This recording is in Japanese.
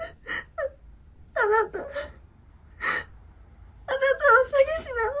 あなたはあなたは詐欺師なの？